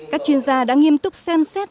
các chuyên gia đã nghiêm túc xem xét